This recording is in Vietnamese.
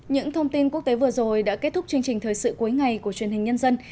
những thông tin quốc tế vừa rồi đã kết thúc chương trình thời sự cuối ngày của truyền hình nhân dân